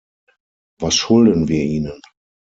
Was schulden wir ihnen?